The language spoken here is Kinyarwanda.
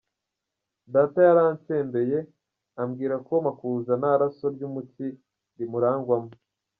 Data yarantsembeye ambwira ko Makuza nta raso ry’umutsi rimurangwamo.